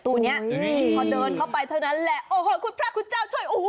ตัวเนี้ยอืมพอเดินเข้าไปเท่านั้นแหละโอ้โหคุณพระคุณเจ้าช่วยโอ้โห